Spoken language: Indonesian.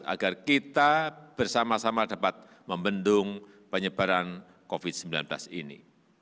agar kita bersama sama dapat membendung penyebaran covid sembilan belas ini